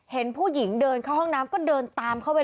เพื่อให้ผู้หญิงแต่งนงแต่งหน้าอะไรอย่างนี้ไง